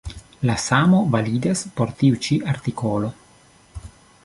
La samo validas por tiu ĉi artikolo.